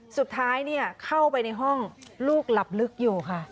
สุดท้ายเข้าไปในห้องลูกหลับลึกอยู่ค่ะ